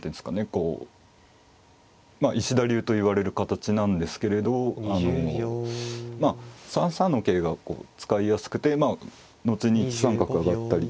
こう石田流といわれる形なんですけれどまあ３三の桂が使いやすくてまあ後に１三角上がったり。